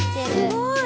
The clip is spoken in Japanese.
すごい。